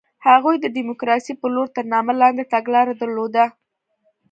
هغوی د ډیموکراسۍ په لور تر نامه لاندې تګلاره درلوده.